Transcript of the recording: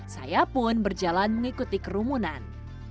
saya pun berjalan mengikuti kerumunan